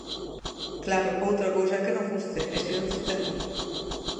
Claro, outra cousa é que non guste; ese é outro tema.